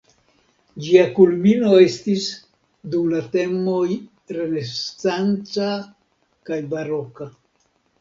Ĝia kulmino estis dum la temoj renesanca kaj baroka.